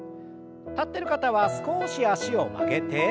立ってる方は少し脚を曲げて。